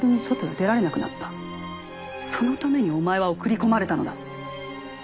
そのためにお前は送り込まれたのだ。